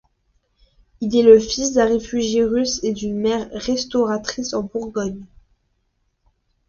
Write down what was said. Il est le fils d’un réfugié russe et d’une mère restauratrice en Bourgogne.